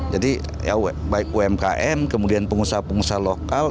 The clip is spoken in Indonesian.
jadi ya baik umkm kemudian pengusaha pengusaha lokal